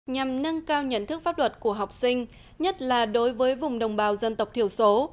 nhằm nâng cao nhận thức pháp luật của học sinh nhất là đối với vùng đồng bào dân tộc thiểu số